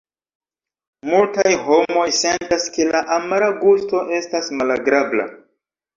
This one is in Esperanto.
Multaj homoj sentas ke la amara gusto estas malagrabla.